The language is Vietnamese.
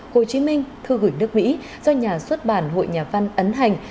hồ chí minh thư gửi nước mỹ do nhà xuất bản hội nhà văn ấn hành